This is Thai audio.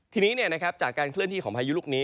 ทีนี้จากการเคลื่อนที่ของพายุลูกนี้